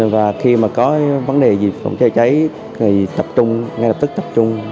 và khi mà có vấn đề gì phòng cháy chiều cháy thì tập trung ngay lập tức tập trung